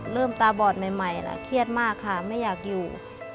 ตาบอดใหม่แล้วเครียดมากค่ะไม่อยากอยู่